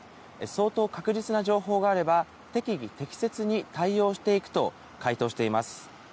相当確実な情報があれば適宜適切に対応していくと回答しています。